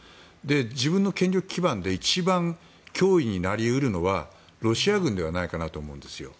自分の権力基盤で一番脅威になり得るのはロシア軍ではないかなと思うんですよ。